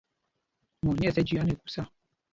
Mot nyɛ̂ɛs ɛ́ jüiá nɛ kūsā.